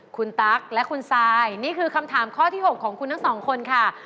คุณตั๊กและคุณซายนี่คือคำถามข้อที่๖ของคุณทั้งสองคนค่ะ